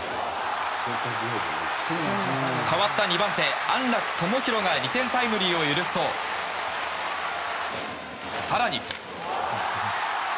代わった２番手、安樂智大が２点タイムリーを許すと更に。